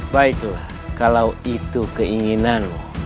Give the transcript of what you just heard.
baiklah kalau itu keinginanmu